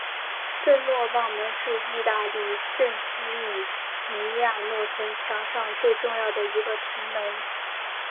圣若望门是意大利圣吉米尼亚诺城墙上最重要的一个城门。